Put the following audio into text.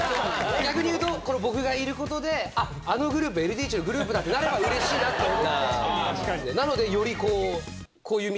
逆にいうと、この僕がいることで、あっ、あのグループ、ＬＤＨのグループだって分かればうれしいなという感じ。